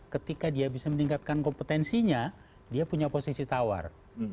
ketika dia bisa meningkatkan kompetensinya dia punya posisi tawar